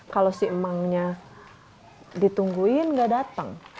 kalau si emangnya ditungguin gak datang